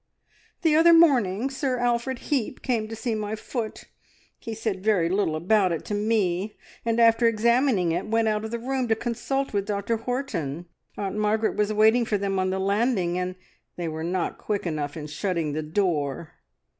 "The other morning Sir Alfred Heap came to see my foot. He said very little about it to me, and after examining it, went out of the room to consult with Dr Horton. Aunt Margaret was waiting for them on the landing, and they were not quick enough in shutting the door.